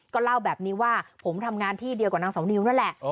ก็เล่าแบบนี้ว่าผมทำงานที่เดียวกับนางเสานิวนั่นแหละ